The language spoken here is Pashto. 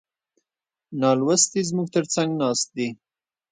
نالوستي زموږ تر څنګ ناست دي.